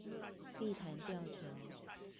碧潭吊橋